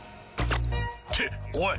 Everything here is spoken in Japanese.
っておい。